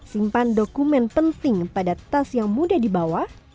simpan dokumen penting pada tas yang mudah dibawa